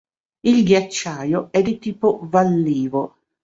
Il ghiacciaio è di tipo vallivo.